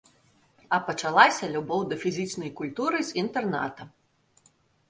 А пачалася любоў да фізічнай культуры з інтэрната.